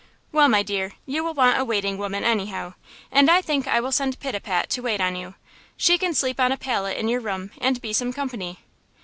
"Well, my dear, you will want a waiting woman, anyhow; and I think I will send Pitapat to wait on you; she can sleep on a pallet in your room, and be some company."